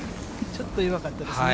ちょっと弱かったですね。